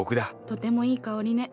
とてもいい香りね。